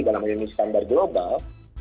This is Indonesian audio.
dalam hal ini standar global